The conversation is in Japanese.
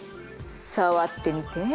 触ってみて。